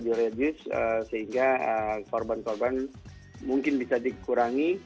nah ini juga bisa di reduce sehingga korban korban mungkin bisa dikurangi